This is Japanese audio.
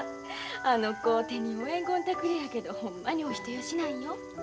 あの子手に負えんごんたくれやけどほんまにお人よしなんよ。